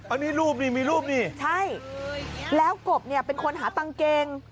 อันนี้รูปนี่มีรูปนี่ใช่แล้วกบเนี่ยเป็นคนหาตังเกง